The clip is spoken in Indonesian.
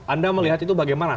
anda melihat itu bagaimana